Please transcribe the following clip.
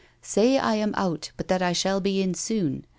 Say I am out but that I shall be in soon.